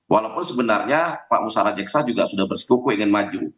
walaupun sebenarnya pak musara jeksa juga sudah bersikuku ingin maju